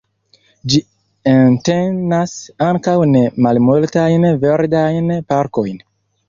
Gi entenas ankaŭ ne malmultajn verdajn parkojn.